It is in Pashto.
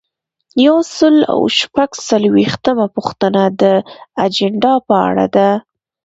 یو سل او شپږ څلویښتمه پوښتنه د اجنډا په اړه ده.